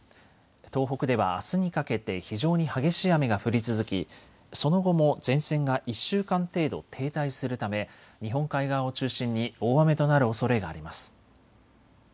東北ではあすにかけて非常に激しい雨が降り続きその後も前線が１週間程度停滞するため日本海側を中心に大雨となるおそれがあります。